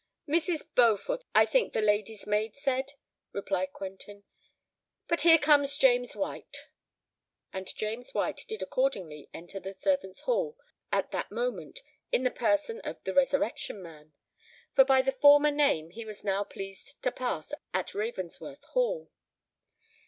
"Mrs. Beaufort, I think the lady's maid said," replied Quentin. "But here comes James White." And James White did accordingly enter the servants' hall at that moment in the person of the Resurrection Man; for by the former name was he now pleased to pass at Ravensworth Hall.